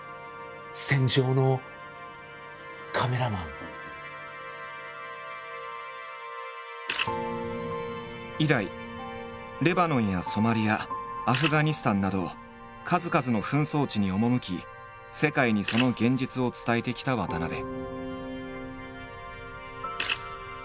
少しでも以来レバノンやソマリアアフガニスタンなど数々の紛争地に赴き世界にその現実を伝えてきた渡部。